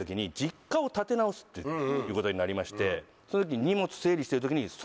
っていうことになりましてその時に。